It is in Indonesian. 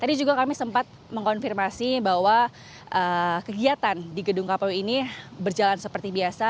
tadi juga kami sempat mengkonfirmasi bahwa kegiatan di gedung kpu ini berjalan seperti biasa